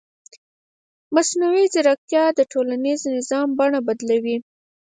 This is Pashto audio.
مصنوعي ځیرکتیا د ټولنیز نظم بڼه بدلوي.